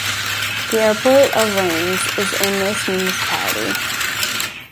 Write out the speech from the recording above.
The airport of Rennes is in this municipality.